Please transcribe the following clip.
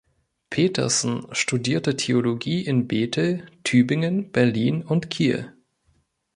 Petersen studierte Theologie in Bethel, Tübingen, Berlin und Kiel.